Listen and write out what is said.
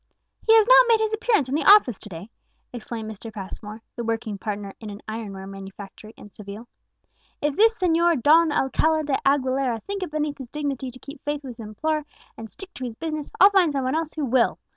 "He has not made his appearance in the office to day!" exclaimed Mr. Passmore, the working partner in an ironware manufactory in Seville. "If this Señor Don Alcala de Aguilera think it beneath his dignity to keep faith with his employer, and stick to his business, I'll find some one else who will.